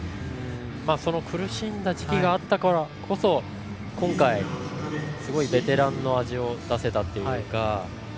その苦しんだ時期があったからこそ今回すごいベテランの味を出せたというか。